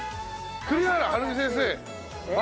栗原はるみ先生ええっ！